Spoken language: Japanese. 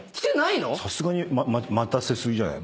さすがに待たせ過ぎじゃないの？